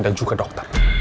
dan juga dokter ingat ya dok